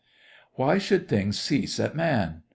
Why should things cease at man?